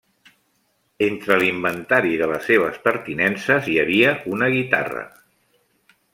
Entre l'inventari de les seves pertinences hi havia una guitarra.